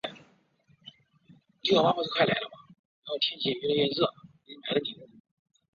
斯渥克尔王朝的瑞典国王。